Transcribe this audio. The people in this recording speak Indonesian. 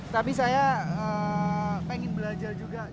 tapi saya pengen belajar juga